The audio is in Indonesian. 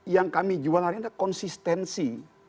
yang kami jual hari ini adalah konsistensi